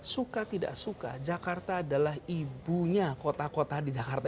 suka tidak suka jakarta adalah ibunya kota kota di jakarta